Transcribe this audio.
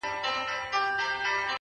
شاعر او شاعره،